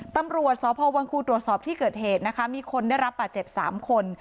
ตำรวจสพวังครูตรวจสอบที่เกิดเหตุนะคะมีคนได้รับบาดเจ็บ๓คน